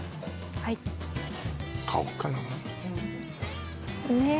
買おっかなねえ